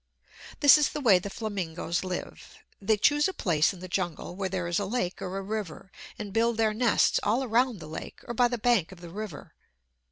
This is the way the flamingos live. They choose a place in the jungle where there is a lake or a river, and build their nests all around the lake, or by the bank of the river.